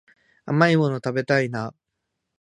甘いもの食べたいな